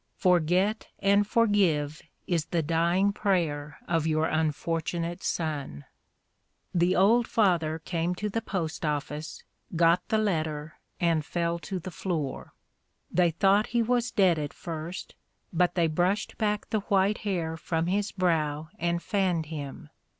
Forget and forgive is the dying prayer of your unfortunate son." The old father came to the post office, got the letter, and fell to the floor. They thought he was dead at first; but they brushed back the white hair from his brow and fanned him.